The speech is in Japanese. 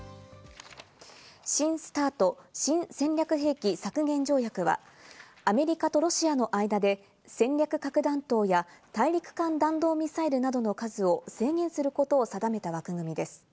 新ＳＴＡＲＴ＝新戦略兵器削減条約はアメリカとロシアの間で戦略核弾頭や大陸間弾道ミサイルなどの数を制限することを定めた枠組みです。